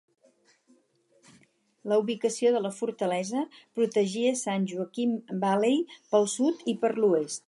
La ubicació de la fortalesa protegia San Joaquin Valley pel sud i per l"oest.